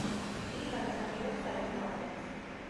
იგი განასახიერებს საიდუმლო აგენტს.